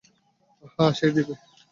হ্যাঁ, সে দিবে।